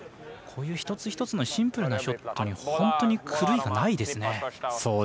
こういう一つ一つのシンプルなショットに本当に狂いがないですね。